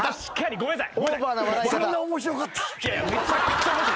ごめんなさい。